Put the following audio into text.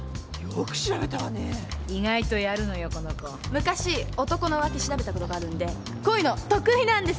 昔男の浮気調べたことがあるんでこういうの得意なんです。